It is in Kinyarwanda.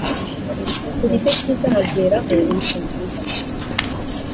ku giti cyiza hazeraho imbuto nziza